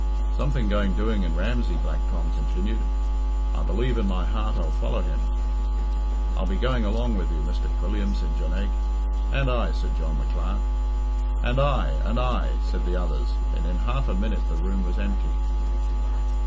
"Something going doing in Ramsey," Black Tom continued. "I believe in my heart I'll follow him." "I'll be going along with you, Mr. Quilliam," said Jonaique. "And I," said John the Clerk. "And I" "And I," said the others, and in half a minute the room was empty.